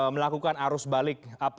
melakukan arus balik apa